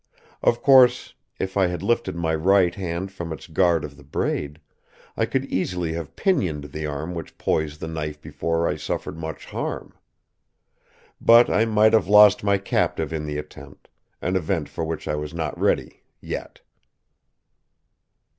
Of course, if I had lifted my right hand from its guard of the braid, I could easily have pinioned the arm which poised the knife before I suffered much harm. But I might have lost my captive in the attempt; an event for which I was not ready, yet.